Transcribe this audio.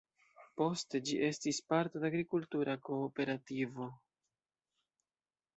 Poste ĝi estis parto de agrikultura kooperativo.